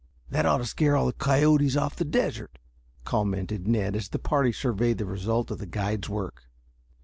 "That ought to scare all the coyotes off the desert," commented Ned as the party surveyed the result of the guide's work.